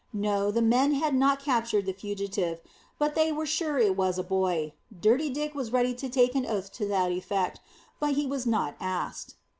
No, the men had not captured the fugitive, but they were sure it was a boy; Dirty Dick was ready to take an oath to that effect, but he was not asked.